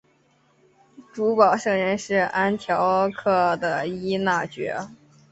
主保圣人是安条克的依纳爵。